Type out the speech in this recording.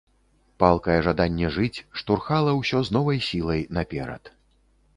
Палкае жаданне жыць штурхала ўсё з новай сілай наперад.